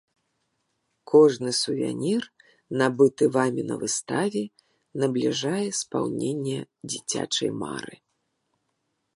Кожны сувенір, набыты вамі на выставе, набліжае спаўненне дзіцячай мары!